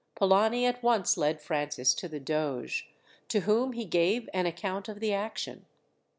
Polani at once led Francis to the doge, to whom he gave an account of the action.